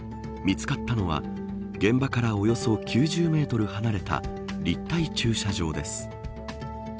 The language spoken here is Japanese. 見つかったのは現場からおよそ９０メートル離れた立体駐車場です。